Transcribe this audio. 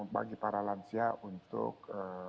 bagi para lansia untuk